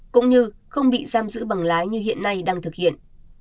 cũng như không bị giam giữ bằng lái như hiện nay đang thực hiện